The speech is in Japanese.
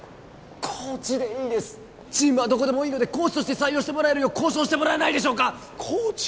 コーチでいいですチームはどこでもいいのでコーチとして採用してもらえるよう交渉してもらえないでしょうかコーチ？